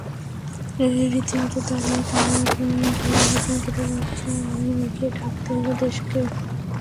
রীতিমতো দাঁড়িয়ে দাঁড়িয়ে দুটি গোল হজম করে লজ্জায় মুখ ঢাকতে হলো দেশকে।